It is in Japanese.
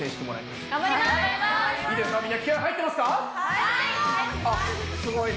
すごいね。